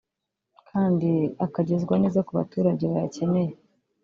kandi akagezwa neza ku baturage bayakeneye